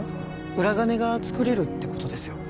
裏金が作れるってことですよ